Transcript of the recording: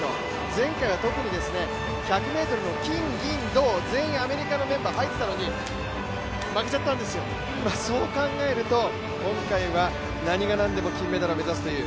前回は特に、１００ｍの金・銀・銅、全員アメリカのメンバーが入っていたのに負けちゃったんですよ、そう考えると、今回は何が何でも金メダルを目指すという、